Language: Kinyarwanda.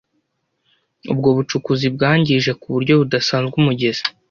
ubwo bucukuzi bwangije ku buryo budasanzwe umugezi